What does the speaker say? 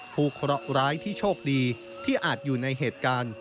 เคราะหร้ายที่โชคดีที่อาจอยู่ในเหตุการณ์